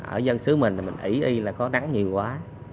ở dân sứ mình thì mình ý là có nắng nhiều quá